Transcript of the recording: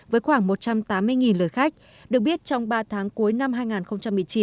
với khoảng một trăm tám mươi lượt khách được biết trong ba tháng cuối năm hai nghìn một mươi chín